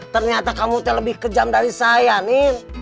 ternyata kamu lebih kejam dari saya nih